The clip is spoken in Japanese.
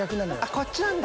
こっちなんだ！